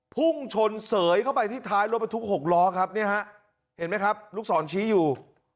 พุ่งชนเสยเข้าไปที่ท้ายรถบรรทุก๖ล้อครับเนี่ยฮะเห็นไหมครับลูกศรชี้อยู่